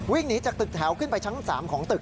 วิ่งหนีจากตึกแถวขึ้นไปชั้น๓ของตึก